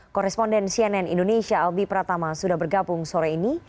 koresponden cnn indonesia albi pratama sudah bergabung sore ini